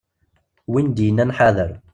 Win d-yennan ḥader.